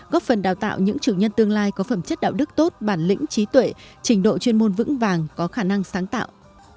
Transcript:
góp phần đào tạo những chủ nhân tương lai có phẩm chất đạo đức tốt bản lĩnh trí tuệ trình độ chuyên môn vững vàng có khả năng sáng tạo